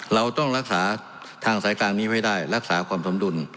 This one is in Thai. เราต้องรักษาทางสายกลางนี้ไม่ได้รักษาความสมดุล